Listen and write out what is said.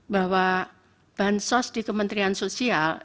bahwa bahan sos di kementerian sosial